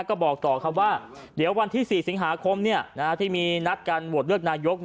ก็บอกต่อครับว่าเดี๋ยววันที่๔สิงหาคมที่มีนัดการโหวตเลือกนายก